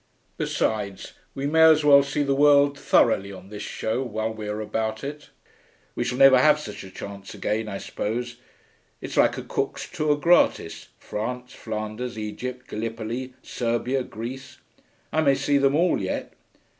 Besides, we may as well see the world thoroughly on this show, while we are about it. We shall never have such a chance again, I suppose. It's like a Cook's tour gratis. France, Flanders, Egypt, Gallipoli, Serbia, Greece.... I may see them all yet.